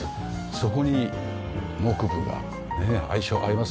そこに木部がねえ相性合います。